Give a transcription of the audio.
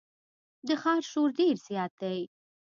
د ښار شور ډېر زیات دی.